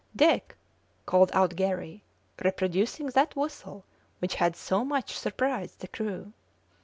"Dick," called out Garry, reproducing that whistle which had so much surprised the crew.